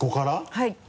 はい。